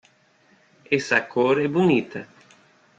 Essa cor é bonita.